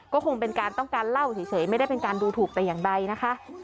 ก็คงเป็นการต้องการเล่าเฉยไม่ได้เป็นการดูถูกแต่อย่างใดนะคะ